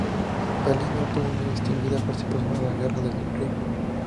Valiño tuvo una distinguida participación en la Guerra del Rif.